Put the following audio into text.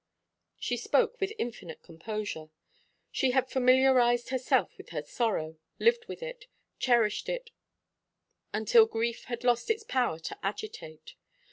She spoke with infinite composure. She had familiarised herself with her sorrow, lived with it, cherished it, until grief had lost its power to agitate.